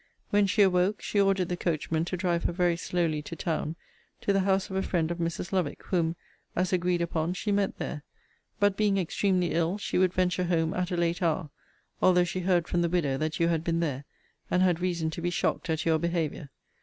When she awoke, she ordered the coachman to drive her very slowly to town, to the house of a friend of Mrs. Lovick; whom, as agreed upon, she met there: but, being extremely ill, she would venture home at a late hour, although she heard from the widow that you had been there; and had reason to be shocked at your behaviour.